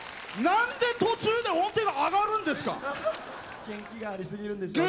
何で途中で音程が上がるんですか！